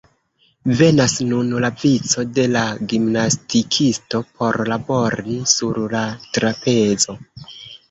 Venas nun la vico de la gimnastikisto por "labori" sur la trapezo.